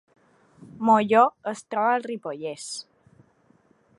Molló es troba al Ripollès